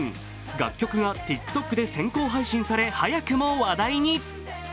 楽曲がＴｉｋＴｏｋで先行配信され早くも話題に。